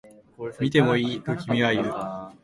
見てもいい？と君は言う